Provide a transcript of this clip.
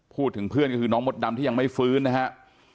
พูดถึงเพื่อนก็คือน้องมดดำที่ยังไม่ฟื้นนะครับ